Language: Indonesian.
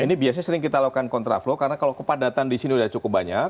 ini biasanya sering kita lakukan kontra flow karena kalau kepadatan disini udah cukup banyak